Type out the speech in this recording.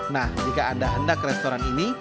nah jika anda hendak ke restoran ini